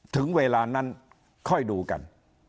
ถึงเวลานั้นค่อยดูกัน